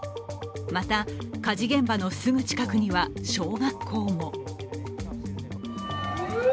また、火事現場のすぐ近くには小学校も。